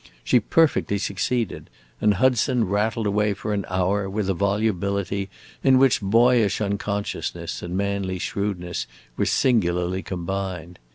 She perfectly succeeded, and Hudson rattled away for an hour with a volubility in which boyish unconsciousness and manly shrewdness were singularly combined.